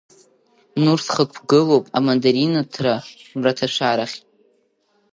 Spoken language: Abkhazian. Нурс хықәгылоуп амандаринаҭра мраҭашәарахь.